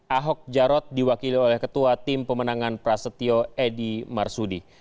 ahok jarot diwakili oleh ketua tim pemenangan prasetyo edy marsudi